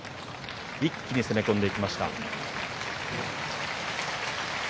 一気に攻め込んでいきました。